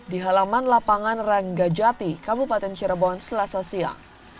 di halaman lapangan ranggajati kabupaten cirebon selasa siang